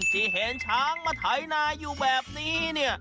ที่เห็นช้างมาไถนาอยู่แบบนี้เนี่ย